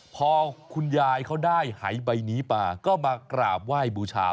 พอคุณยายเขาได้หายใบนี้มาก็มากราบไหว้บูชา